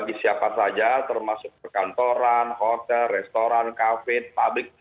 bagi siapa saja termasuk perkantoran bagi siapa saja termasuk perkantoran bagi siapa saja termasuk perkantoran